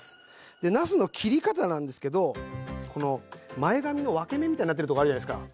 でなすの切り方なんですけどこの前髪の分け目みたいになってるとこあるじゃないですか。